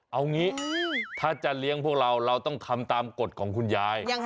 เอางี้ถ้าจะเลี้ยงพวกเราเราต้องทำตามกฎของคุณยาย